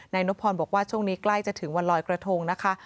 นบพรบอกว่าช่วงนี้ใกล้จะถึงวันลอยกระทงนะคะ